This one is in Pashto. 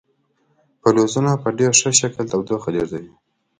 فلزونه په ډیر ښه شکل تودوخه لیږدوي.